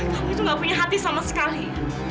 kamu itu gak punya hati sama sekali